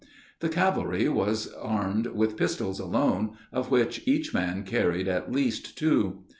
The cavalry was armed with pistols alone, of which each man carried at least two.